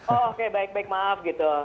oke baik baik maaf gitu